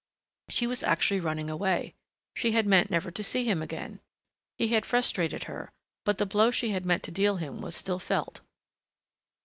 She was actually running away. She had meant never to see him again. He had frustrated her, but the blow she had meant to deal him was still felt.